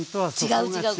違う違う。